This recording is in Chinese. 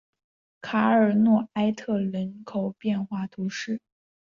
卡尔诺埃特人口变化图示